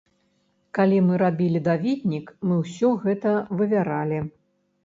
Калі мы рабілі даведнік, мы ўсё гэта вывяралі.